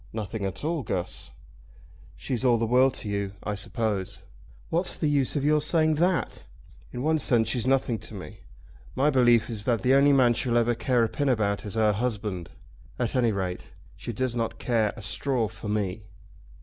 "Nothing at all, Guss." "She's all the world to you, I suppose?" "What's the use of your saying that? In one sense she's nothing to me. My belief is that the only man she'll ever care a pin about is her husband. At any rate she does not care a straw for me."